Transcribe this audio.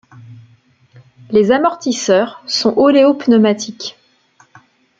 Les amortisseurs sont oléopneumatique.